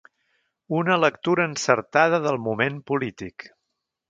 Una lectura encertada del moment polític.